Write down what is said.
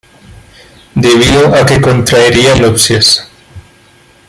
Debido a que contraería nupcias.